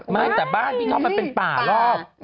ไม่แต่บ้านพี่น้องมันเป็นป่ารอบ